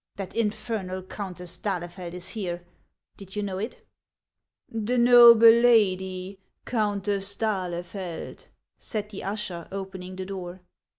That infernal Countess d'Ahlefeld is here ; did you know it ?"" The noble lady, Countess d'Ahlefeld," said the usher, opening the door.